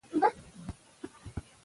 یوه ورځ یې له هوا ښار ته ورپام سو